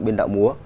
biên đạo múa